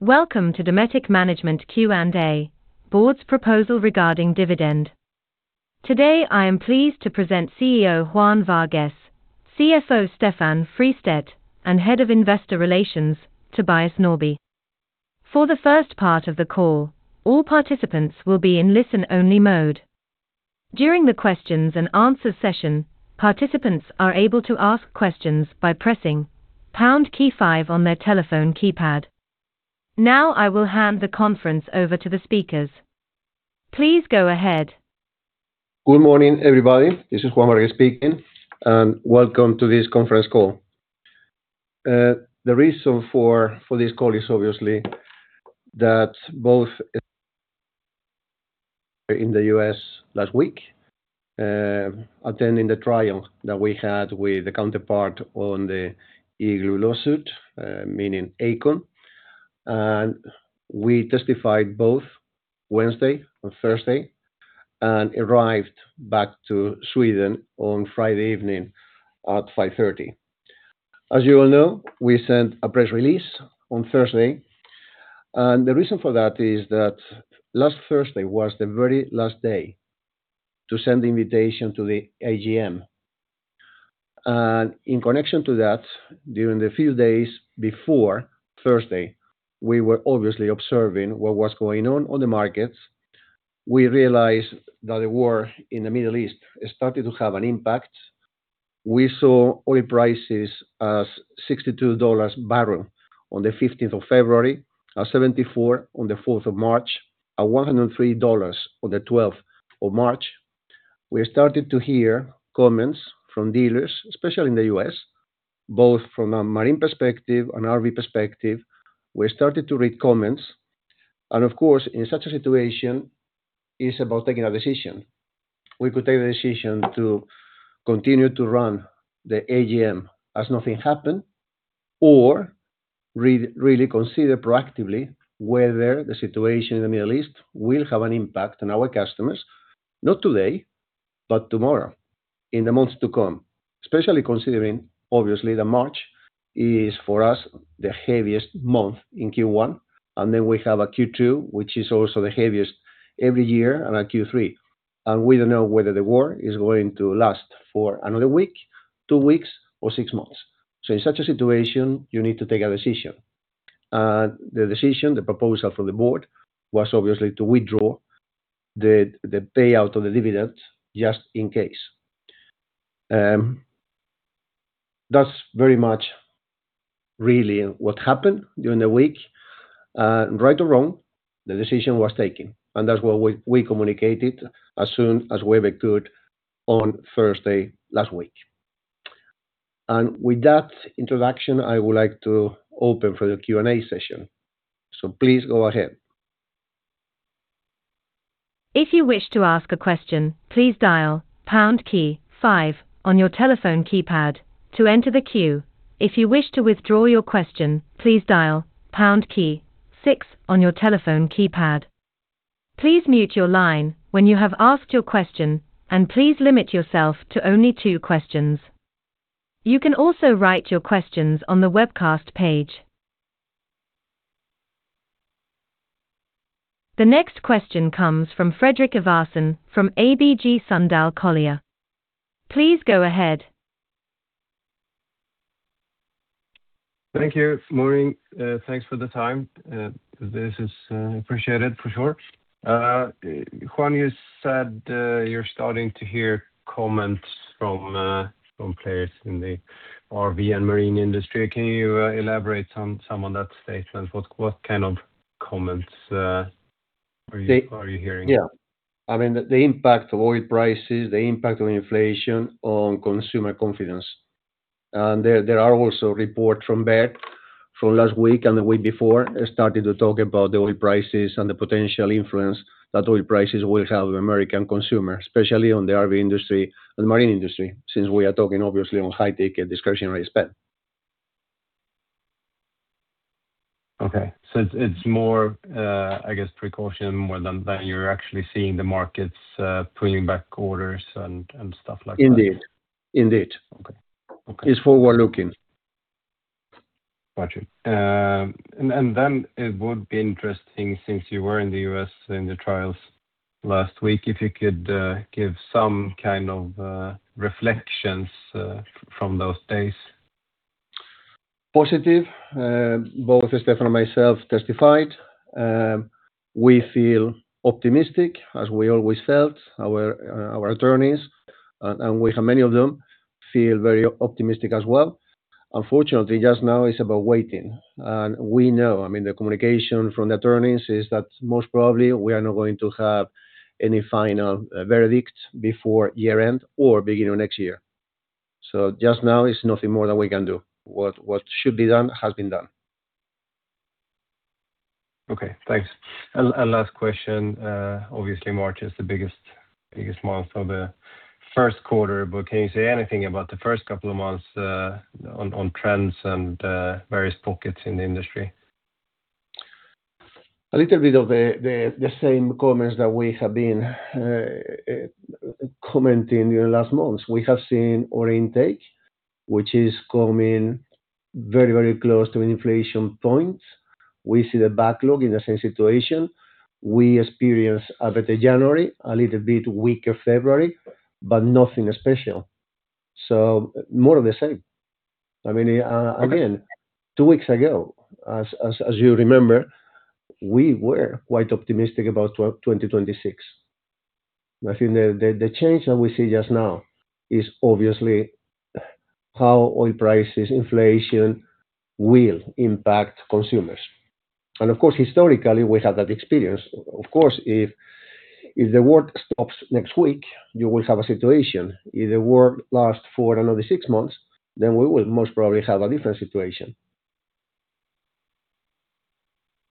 Welcome to Dometic Management Q&A, board's proposal regarding dividend. Today, I am pleased to present CEO Juan Vargues, CFO Stefan Fristedt, and Head of Investor Relations, Tobias Norbäck. For the first part of the call, all participants will be in listen-only mode. During the questions and answer session, participants are able to ask questions by pressing pound key five on their telephone keypad. Now I will hand the conference over to the speakers. Please go ahead. Good morning, everybody. This is Juan Vargues speaking, and welcome to this conference call. The reason for this call is obviously that both in the US last week, attending the trial that we had with the counterpart on the Igloo lawsuit, meaning ACON. We testified both Wednesday and Thursday and arrived back to Sweden on Friday evening at 5:30 P.M. As you all know, we sent a press release on Thursday, and the reason for that is that last Thursday was the very last day to send the invitation to the AGM. In connection to that, during the few days before Thursday, we were obviously observing what was going on on the markets. We realized that the war in the Middle East is starting to have an impact. We saw oil prices as $62/barrel on the fifteenth of February, at $74 on the fourth of March, at $103 on the twelfth of March. We started to hear comments from dealers, especially in the U.S., both from a marine perspective and RV perspective. We started to read comments. Of course, in such a situation, it's about taking a decision. We could take the decision to continue to run the AGM as nothing happened, or really consider proactively whether the situation in the Middle East will have an impact on our customers, not today, but tomorrow, in the months to come. Especially considering obviously, March is for us, the heaviest month in Q1, and then we have a Q2, which is also the heaviest every year and a Q3. We don't know whether the war is going to last for another week, two weeks or six months. In such a situation, you need to take a decision. The decision, the proposal for the board was obviously to withdraw the payout of the dividends just in case. That's very much really what happened during the week. Right or wrong, the decision was taken, and that's what we communicated as soon as we could on Thursday last week. With that introduction, I would like to open for the Q&A session. Please go ahead. If you wish to ask a question, please dial pound key five on your telephone keypad to enter the queue. If you wish to withdraw your question, please dial pound key six on your telephone keypad. Please mute your line when you have asked your question, and please limit yourself to only two questions. You can also write your questions on the webcast page. The next question comes from Fredrik Ivarsson from ABG Sundal Collier. Please go ahead. Thank you. Morning. Thanks for the time. This is appreciated for sure. Juan, you said you're starting to hear comments from players in the RV and marine industry. Can you elaborate on some of that statement? What kind of comments are you hearing? Yeah. I mean, the impact of oil prices, the impact of inflation on consumer confidence. There are also reports from the Fed from last week and the week before. I started to talk about the oil prices and the potential influence that oil prices will have on American consumer, especially on the RV industry and the marine industry, since we are talking obviously on high ticket and discretionary spend. It's more, I guess, precaution more than you're actually seeing the markets pulling back orders and stuff like that. Indeed. Indeed. Okay. It's forward-looking. Got you. And then it would be interesting since you were in the U.S. in the trials last week, if you could give some kind of reflections from those days. Positive. Both Stefan and myself testified. We feel optimistic, as we always felt. Our attorneys, and we have many of them, feel very optimistic as well. Unfortunately, just now it's about waiting. We know, I mean, the communication from the attorneys is that most probably we are not going to have any final verdict before year-end or beginning of next year. Just now it's nothing more than we can do. What should be done has been done. Okay. Thanks. Last question. Obviously, March is the biggest month of the first quarter, but can you say anything about the first couple of months on trends and various pockets in the industry? A little bit of the same comments that we have been commenting in the last months. We have seen our intake, which is coming very, very close to an inflection point. We see the backlog in the same situation. We experience a better January, a little bit weaker February, but nothing special. More of the same. I mean, again, two weeks ago, as you remember, we were quite optimistic about 2026. I think the change that we see just now is obviously how oil prices, inflation will impact consumers. Of course, historically, we have that experience. Of course, if the world stops next week, you will have a situation. If the world lasts for another six months, then we will most probably have a different situation.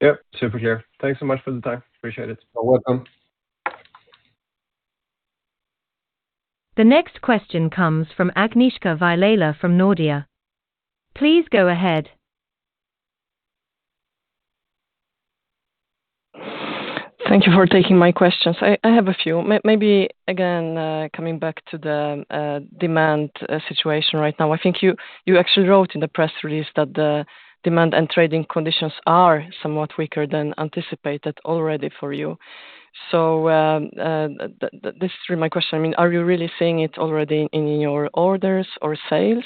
Yep. Super clear. Thanks so much for the time. Appreciate it. You're welcome. The next question comes from Agnieszka Vilela from Nordea. Please go ahead. Thank you for taking my questions. I have a few. Maybe again, coming back to the demand situation right now. I think you actually wrote in the press release that the demand and trading conditions are somewhat weaker than anticipated already for you. This is really my question. I mean, are you really seeing it already in your orders or sales?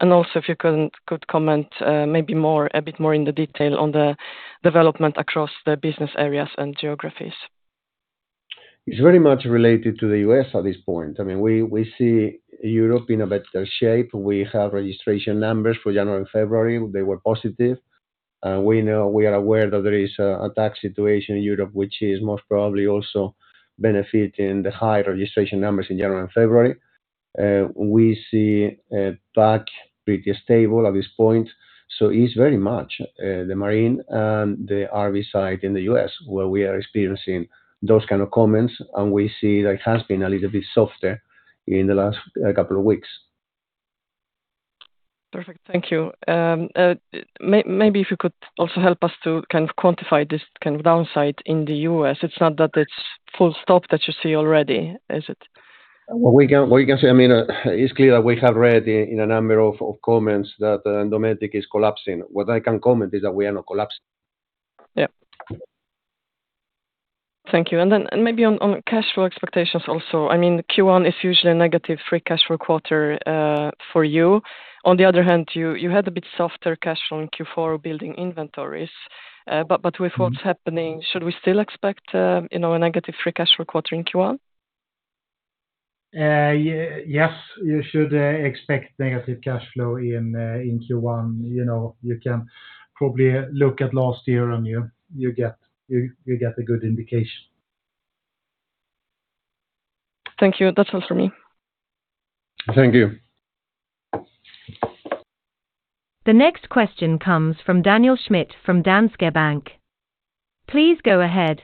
Also if you could comment, maybe a bit more in detail on the development across the business areas and geographies. It's very much related to the U.S. at this point. I mean, we see Europe in a better shape. We have registration numbers for January and February. They were positive. We are aware that there is a tax situation in Europe, which is most probably also benefiting the high registration numbers in January and February. We see APAC pretty stable at this point. It's very much the marine and the RV side in the U.S. where we are experiencing those kind of comments, and we see that it has been a little bit softer in the last couple of weeks. Perfect. Thank you. Maybe if you could also help us to kind of quantify this kind of downside in the US. It's not that it's full stop that you see already, is it? We can say, I mean, it's clear that we have read in a number of comments that Dometic is collapsing. What I can comment is that we are not collapsing. Yeah. Thank you. Maybe on cash flow expectations also. I mean, Q1 is usually a negative free cash flow quarter for you. On the other hand, you had a bit softer cash flow in Q4 building inventories. With what's happening, should we still expect, you know, a negative free cash flow quarter in Q1? Yes, you should expect negative cash flow in Q1. You know, you can probably look at last year and you get a good indication. Thank you. That's all for me. Thank you. The next question comes from Daniel Schmidt from Danske Bank. Please go ahead.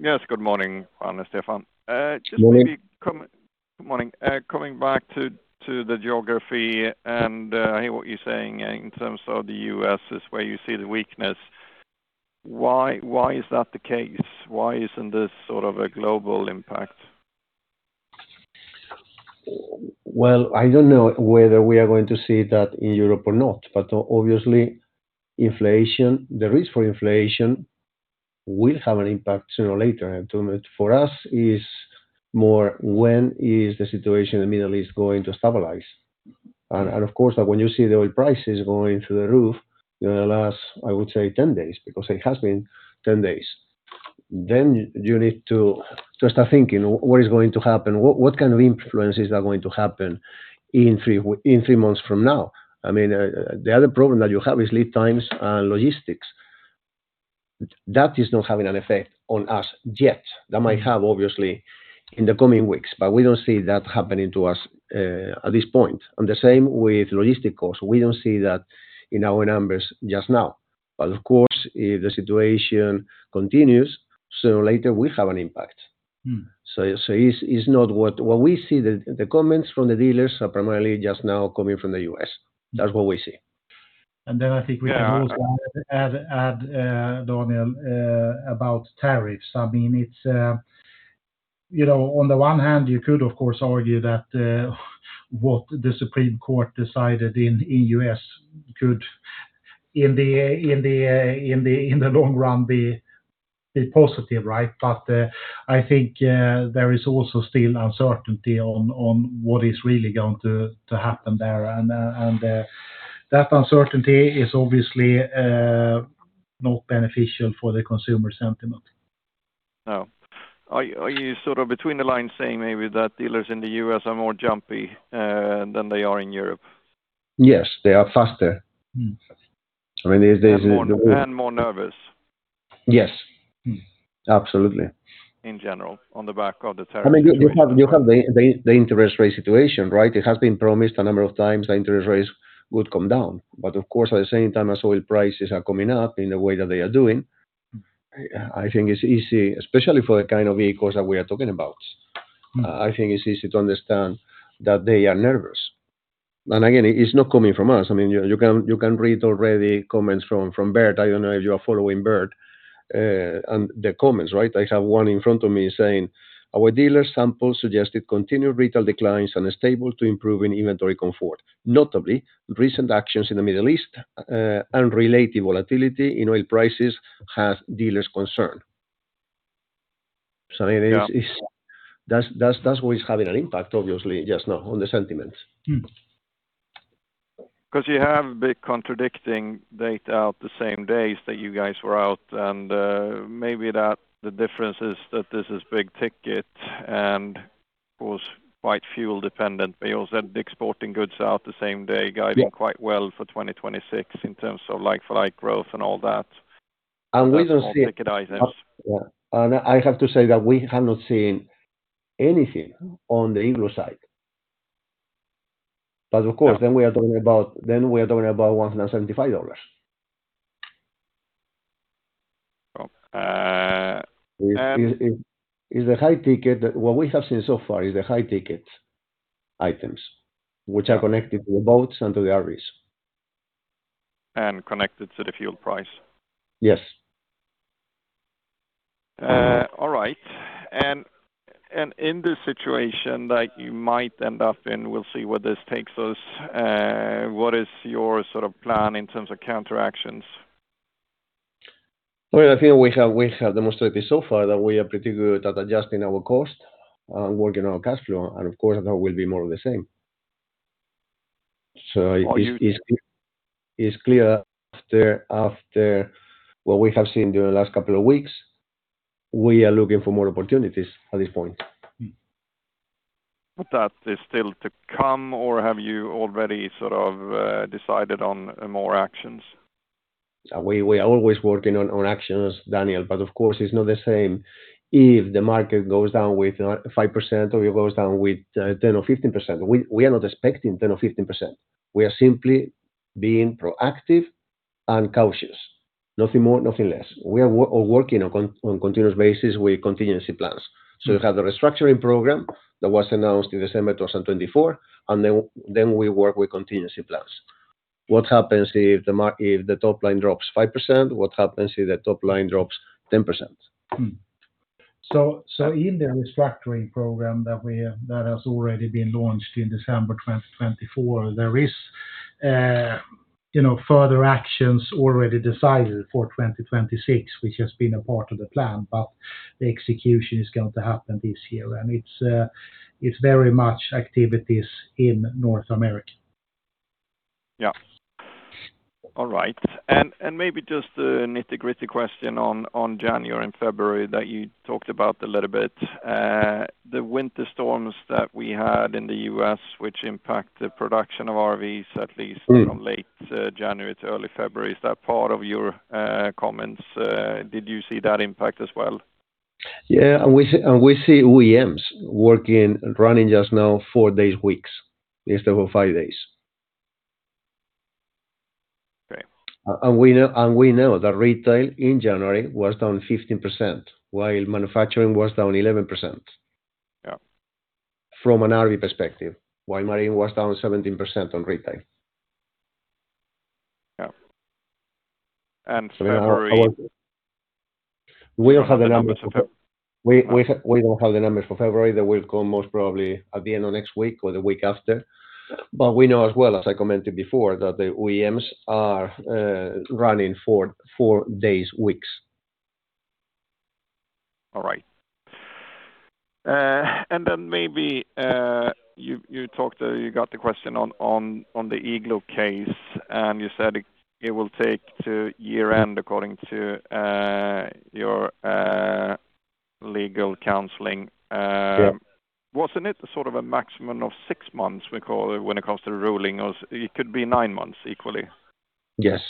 Yes, good morning, Juan and Stefan. Good morning. Good morning. Coming back to the geography, I hear what you're saying in terms of the U.S. is where you see the weakness. Why is that the case? Why isn't this sort of a global impact? Well, I don't know whether we are going to see that in Europe or not, but obviously, inflation, the risk for inflation will have an impact sooner or later. For us is more when is the situation in the Middle East going to stabilize? Of course, when you see the oil prices going through the roof in the last, I would say 10 days, because it has been 10 days, then you need to start thinking what is going to happen, what kind of influences are going to happen in three months from now. I mean, the other problem that you have is lead times and logistics. That is not having an effect on us yet. That might have obviously in the coming weeks, but we don't see that happening to us at this point. The same with logistics. We don't see that in our numbers just now. Of course, if the situation continues, sooner or later we have an impact. Mm. What we see, the comments from the dealers are primarily just now coming from the U.S. That's what we see. I think we can also add Daniel about tariffs. I mean, it's you know, on the one hand, you could, of course, argue that what the Supreme Court decided in the U.S. could in the long run be positive, right? I think there is also still uncertainty on what is really going to happen there. That uncertainty is obviously not beneficial for the consumer sentiment. Oh. Are you sort of between the lines saying maybe that dealers in the U.S. are more jumpy than they are in Europe? Yes, they are faster. Mm. I mean, there's. More and more nervous. Yes. Absolutely. In general, on the back of the tariff. I mean, you have the interest rate situation, right? It has been promised a number of times the interest rates would come down. Of course, at the same time as oil prices are coming up in the way that they are doing, I think it's easy, especially for the kind of vehicles that we are talking about. I think it's easy to understand that they are nervous. Again, it's not coming from us. I mean, you can read already comments from Baird. I don't know if you are following Baird and the comments, right? I have one in front of me saying, "Our dealer sample suggested continued retail declines and a stable to improve in inventory comfort. Notably, recent actions in the Middle East and related volatility in oil prices have dealers concerned." It is. Yeah. That's what is having an impact, obviously, just now on the sentiments. 'Cause you have a bit contradictory data out the same days that you guys were out, and maybe that the difference is that this is big ticket and was quite fuel dependent. You also had Dick's Sporting Goods out the same day guiding quite well for 2026 in terms of like for like growth and all that. We don't see. That's high-ticket items. Yeah. I have to say that we have not seen anything on the Igloo side. Of course, then we are talking about $175. Well. What we have seen so far is the high ticket items, which are connected to the boats and to the RVs. Connected to the fuel price. Yes. All right. In this situation that you might end up in, we'll see where this takes us. What is your sort of plan in terms of counter actions? Well, I think we have demonstrated so far that we are pretty good at adjusting our cost and working on cash flow, and of course, that will be more of the same. Are you- It's clear after what we have seen during the last couple of weeks, we are looking for more opportunities at this point. That is still to come, or have you already sort of decided on more actions? We are always working on actions, Daniel, but of course, it's not the same if the market goes down with 5% or it goes down with 10% or 15%. We are not expecting 10% or 15%. We are simply being proactive and cautious. Nothing more, nothing less. We are working on continuous basis with contingency plans. We have the restructuring program that was announced in December 2024, and then we work with contingency plans. What happens if the top line drops 5%? What happens if the top line drops 10%? Mm. In the restructuring program that has already been launched in December 2024, there is, you know, further actions already decided for 2026, which has been a part of the plan, but the execution is going to happen this year. It's very much activities in North America. Yeah. All right. Maybe just a nitty-gritty question on January and February that you talked about a little bit. The winter storms that we had in the U.S., which impact the production of RVs, at least. Mm. From late January to early February. Is that part of your comments? Did you see that impact as well? Yeah. We see OEMs working, running just now four-day weeks instead of five days. Right. We know that retail in January was down 15%, while manufacturing was down 11%. Yeah. From an RV perspective, while marine was down 17% on retail. Yeah. February- We don't have the numbers for February. They will come most probably at the end of next week or the week after. We know as well as I commented before, that the OEMs are running four-day weeks. All right. Then maybe you talked, you got the question on the Igloo case, and you said it will take to year-end according to your legal counsel. Yeah. Wasn't it sort of a maximum of six months we call it when it comes to the ruling or it could be nine months equally? Yes.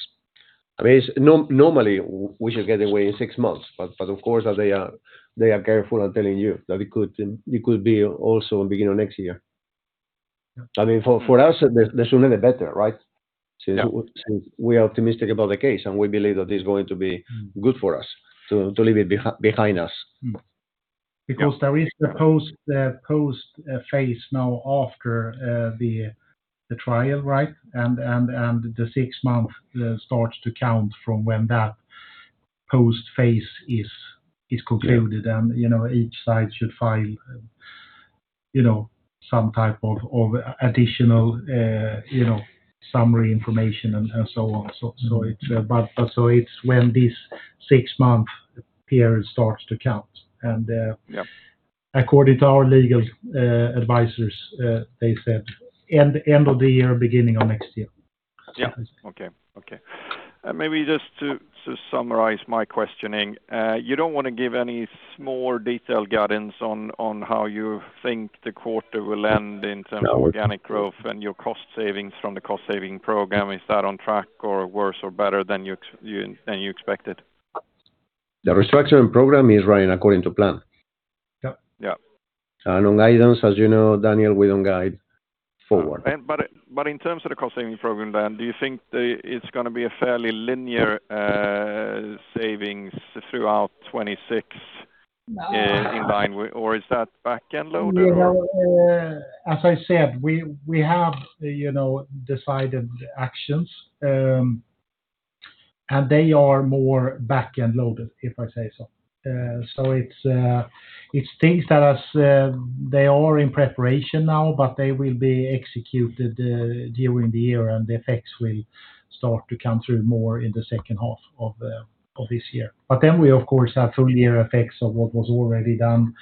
I mean, it's normally we should get away in six months, but of course, as they are careful on telling you that it could be also beginning of next year. Yeah. I mean, for us, the sooner the better, right? Yeah. Since we are optimistic about the case, and we believe that it's going to be good for us to leave it behind us. Mm. Because there is the post phase now after the trial, right? The six-month starts to count from when that post phase is concluded. Yeah. You know, each side should file, you know, some type of additional, you know, summary information and so on. It's when this six-month period starts to count. Yeah. According to our legal advisors, they said end of the year, beginning of next year. Maybe just to summarize my questioning, you don't wanna give any small detailed guidance on how you think the quarter will end in terms- No. of organic growth and your cost savings from the cost saving program. Is that on track or worse or better than you expected? The restructuring program is running according to plan. Yeah. Yeah. On guidance, as you know, Daniel, we don't guide. In terms of the cost-saving program then, do you think it's gonna be a fairly linear savings throughout 2026, in line with or is that back-end loaded or? You know, as I said, we have, you know, decided actions, and they are more back-end loaded, if I say so. It's things that has. They are in preparation now, but they will be executed during the year, and the effects will start to come through more in the second half of this year. We of course have full year effects of what was already done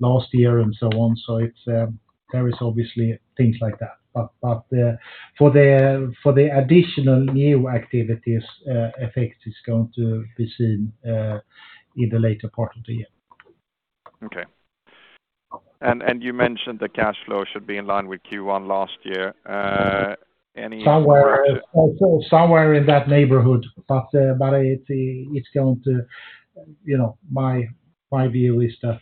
last year and so on. There is obviously things like that. For the additional new activities, effect is going to be seen in the later part of the year. Okay. You mentioned the cash flow should be in line with Q1 last year. Any- Somewhere. Somewhere in that neighborhood. It's going to. You know, my view is that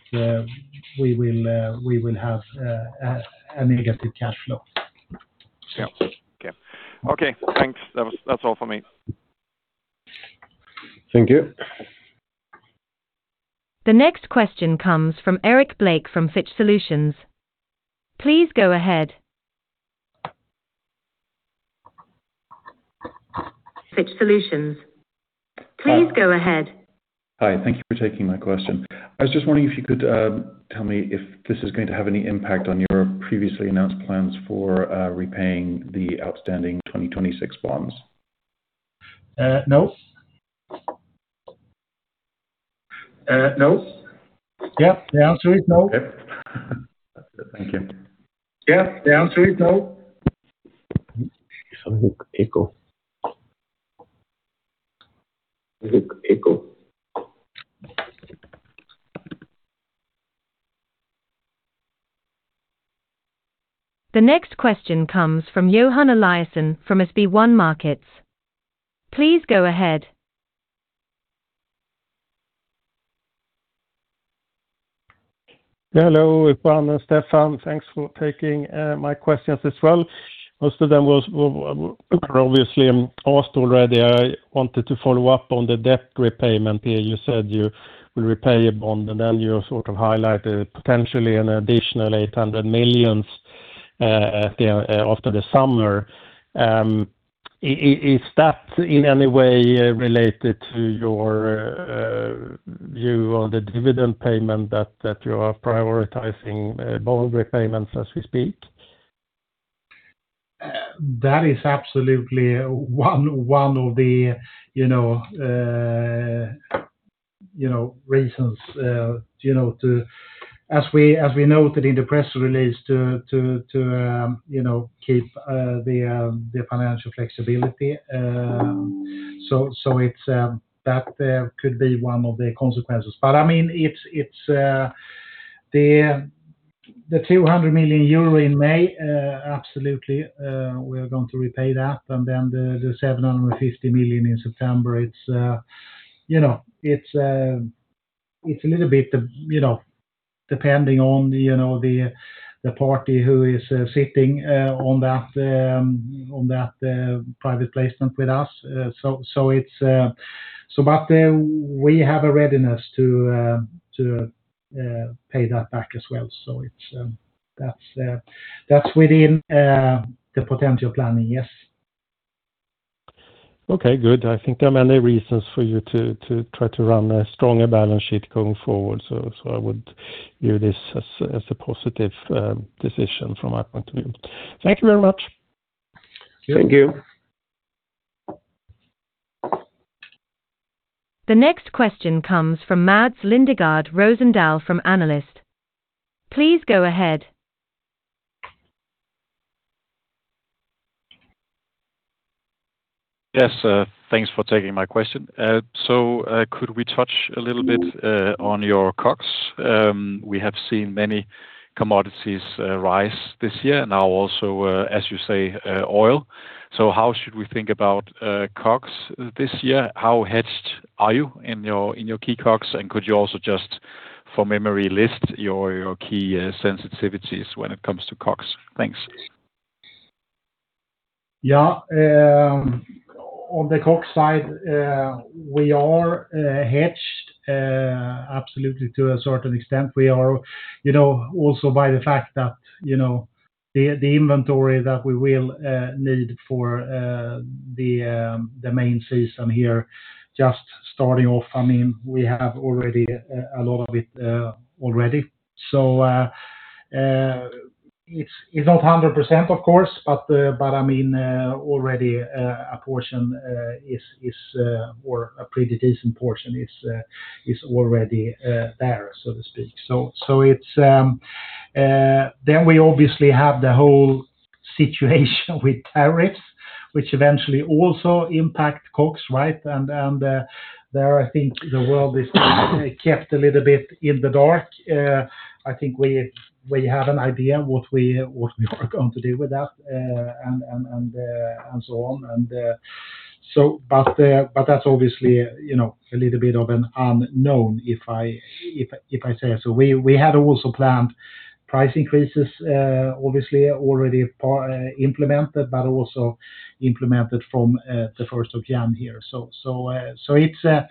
we will have a negative cash flow. Yeah. Okay. Okay, thanks. That's all for me. Thank you. The next question comes from Eric Blake from Fitch Solutions. Please go ahead. Fitch Solutions, please go ahead. Hi. Thank you for taking my question. I was just wondering if you could tell me if this is going to have any impact on your previously announced plans for repaying the outstanding 2026 bonds? No. Yeah. The answer is no. Okay. Thank you. Yeah. The answer is no. Some echo. Little echo. The next question comes from Johan Eliason from SpareBank 1 Markets. Please go ahead. Hello, Johan and Stefan. Thanks for taking my questions as well. Most of them were obviously asked already. I wanted to follow up on the debt repayment here. You said you will repay a bond, and then you sort of highlighted potentially an additional 800 million after the summer. Is that in any way related to your view on the dividend payment that you are prioritizing bond repayments as we speak? That is absolutely one of the, you know, reasons. As we noted in the press release to keep the financial flexibility. That could be one of the consequences. I mean, it's the 200 million euro in May, absolutely, we are going to repay that. The 750 million in September, it's a little bit, you know, depending on the party who is sitting on that private placement with us. We have a readiness to pay that back as well. That's within the potential planning, yes. Okay, good. I think there are many reasons for you to try to run a stronger balance sheet going forward. I would view this as a positive decision from my point of view. Thank you very much. Thank you. The next question comes from Mads Lindegaard Rosendal from Danske Bank. Please go ahead. Yes, thanks for taking my question. Could we touch a little bit on your COGS? We have seen many commodities rise this year and now also, as you say, oil. How should we think about COGS this year? How hedged are you in your key COGS? And could you also just for memory list your key sensitivities when it comes to COGS? Thanks. Yeah. On the COGS side, we are hedged absolutely to a certain extent. We are, you know, also by the fact that, you know, the inventory that we will need for the main season here just starting off. I mean, we have already a lot of it already. So, it's not 100%, of course, but I mean, already a portion is or a pretty decent portion is already there, so to speak. It's. We obviously have the whole situation with tariffs, which eventually also impact COGS, right? There, I think the world is kept a little bit in the dark. I think we have an idea what we are going to do with that, and so on. That's obviously, you know, a little bit of an unknown if I say so. We had also planned price increases, obviously already implemented, but also implemented from the first of January here.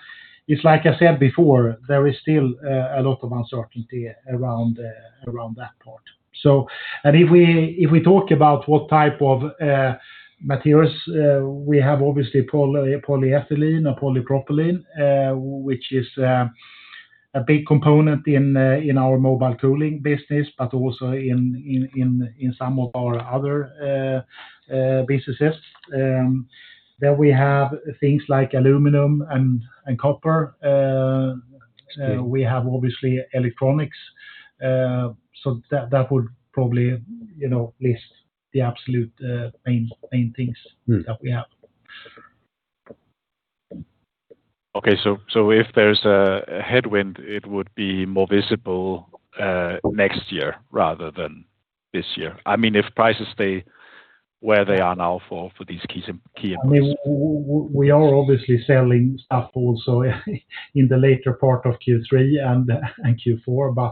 It's like I said before, there is still a lot of uncertainty around that part. If we talk about what type of materials, we have obviously polyethylene or polypropylene, which is a big component in our mobile cooling business, but also in some of our other businesses. We have things like aluminum and copper. Yeah We have obviously electronics. That would probably, you know, list the absolute main things. Mm that we have. Okay. If there's a headwind, it would be more visible next year rather than this year. I mean, if prices stay where they are now for these key areas. I mean, we are obviously selling stuff also in the later part of Q3 and Q4.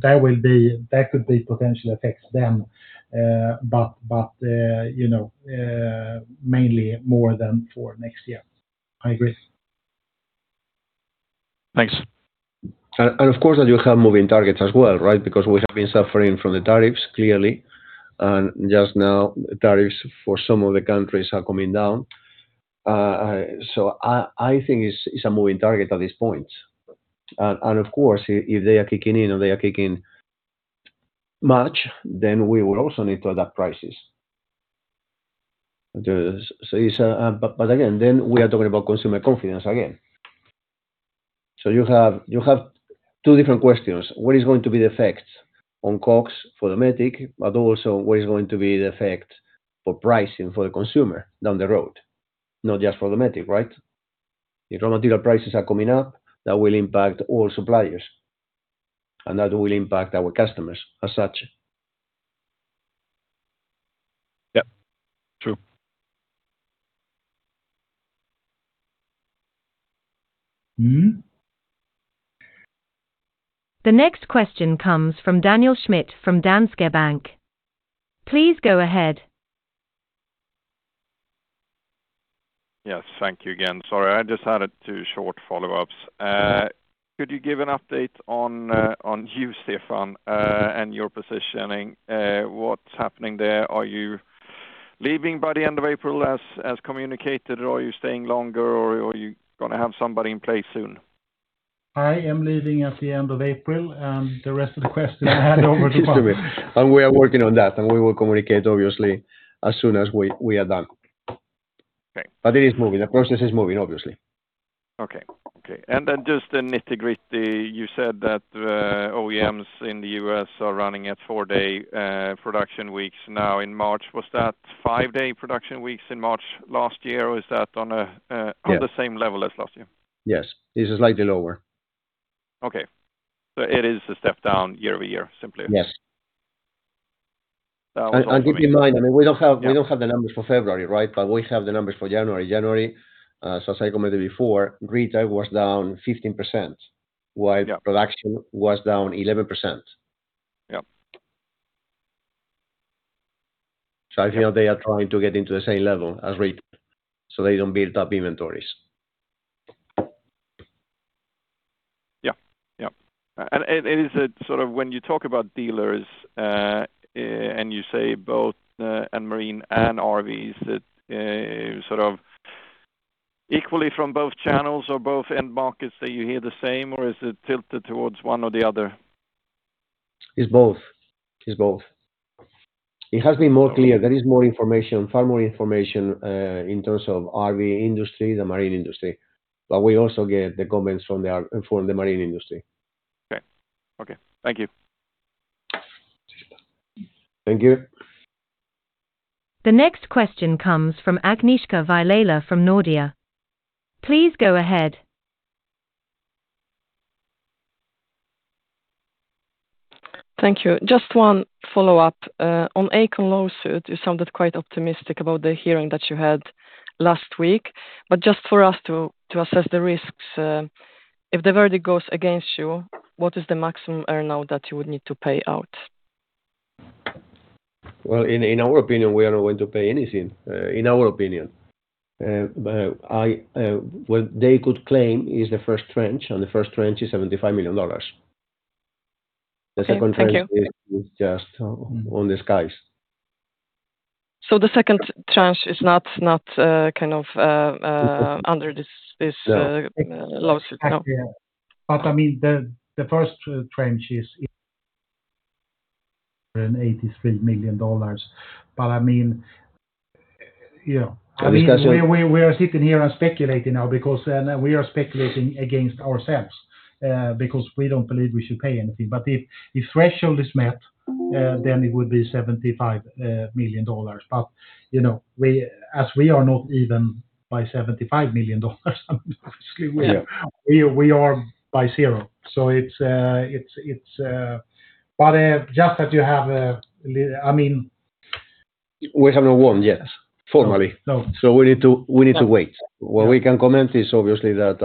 That could potentially affect them, you know, mainly more so for next year. I agree. Thanks. Of course, that you have moving targets as well, right? Because we have been suffering from the tariffs, clearly, and just now tariffs for some of the countries are coming down. I think it's a moving target at this point. Of course, if they are kicking in or they are kicking much, then we will also need to adapt prices. It's. But again, then we are talking about consumer confidence again. You have two different questions. What is going to be the effect on COGS for Dometic, but also what is going to be the effect for pricing for the consumer down the road, not just for Dometic, right? If raw material prices are coming up, that will impact all suppliers, and that will impact our customers as such. Yeah, true. Mm-hmm. The next question comes from Daniel Schmidt from Danske Bank. Please go ahead. Yes. Thank you again. Sorry, I just had two short follow-ups. Could you give an update on you, Stefan, and your positioning? What's happening there? Are you leaving by the end of April as communicated, or are you staying longer, or are you gonna have somebody in place soon? I am leaving at the end of April, and the rest of the question I hand over to Juan. We are working on that, and we will communicate obviously as soon as we are done. Okay. It is moving. The process is moving, obviously. Okay. Just the nitty-gritty, you said that OEMs in the U.S. are running at four-day production weeks now in March. Was that five-day production weeks in March last year, or is that on a Yeah On the same level as last year? Yes. It's slightly lower. It is a step down year-over-year, simply. Yes. That was all for me. Keep in mind, I mean, we don't have Yeah We don't have the numbers for February, right? We have the numbers for January. January, so as I commented before, retail was down 15%, while- Yeah Production was down 11%. Yeah. I feel they are trying to get into the same level as retail, so they don't build up inventories. Is it sort of when you talk about dealers, and you say both in marine and RV, is it sort of equally from both channels or both end markets that you hear the same, or is it tilted towards one or the other? It's both. It has been more clear. There is more information, far more information, in terms of RV industry than marine industry. But we also get the comments from the marine industry. Okay. Okay. Thank you. Thank you. The next question comes from Agnieszka Vilela from Nordea. Please go ahead. Thank you. Just one follow-up on ACON lawsuit, you sounded quite optimistic about the hearing that you had last week. Just for us to assess the risks, if the verdict goes against you, what is the maximum earnout that you would need to pay out? Well, in our opinion, we are not going to pay anything, in our opinion. What they could claim is the first tranche, and the first tranche is $75 million. The second tranche- Okay. Thank you. is just on the skies. The second tranche is not kind of under this lawsuit, no? I mean, the first tranche is $83 million. I mean, you know, we are sitting here and speculating now because we are speculating against ourselves because we don't believe we should pay anything. If threshold is met, then it would be $75 million. You know, as we are not even at $75 million, obviously we are at zero. It's just that you have a I mean- We have not won yet, formally. No. We need to wait. What we can comment is obviously that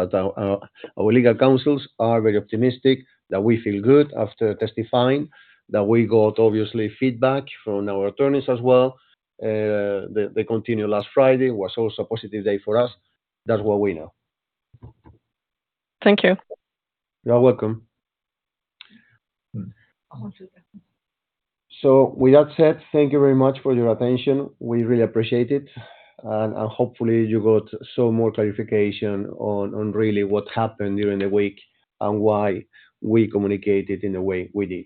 our legal counsels are very optimistic, that we feel good after testifying, that we got obviously feedback from our attorneys as well. They continue last Friday, was also a positive day for us. That's what we know. Thank you. You are welcome. With that said, thank you very much for your attention. We really appreciate it. Hopefully you got some more clarification on really what happened during the week and why we communicated in the way we did.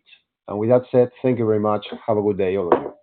With that said, thank you very much. Have a good day all. Thank you.